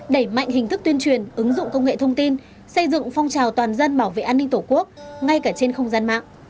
đẩy mạnh hình thức tuyên truyền ứng dụng công nghệ thông tin xây dựng phong trào toàn dân bảo vệ an ninh tổ quốc ngay cả trên không gian mạng